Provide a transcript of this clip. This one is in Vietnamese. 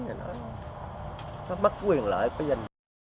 nó bất quyền lợi của dân